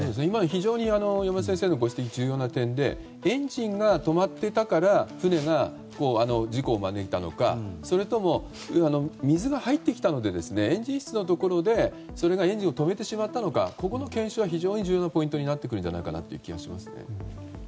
非常に山田先生のご指摘は重要な点でエンジンが止まっていたから船が事故を招いたのかそれとも水が入ってきたのでエンジン室のところでエンジンを止めてしまったのかここの検証は非常に重要なポイントになってくる気がします。